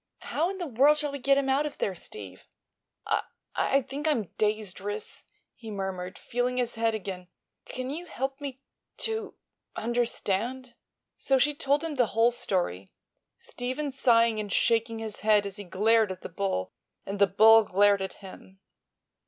How in the world shall we get him out of there, Steve?" "I—I think I'm dazed, Ris," he murmured, feeling his head again. "Can't you help me to—understand?" So she told him the whole story, Stephen sighing and shaking his head as he glared at the bull and the bull glared at him.